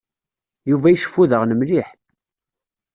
Yuba iceffu daɣen mliḥ.